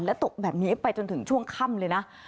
และตกแบบนี้ไปจนถึงช่วงค่ำเลยนะ